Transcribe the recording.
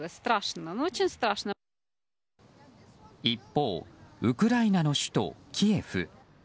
一方、ウクライナの首都キエフ。